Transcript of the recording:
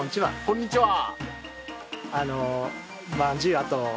こんにちは！